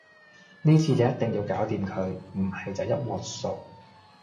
呢次你一定要搞掂佢，唔係就一鑊熟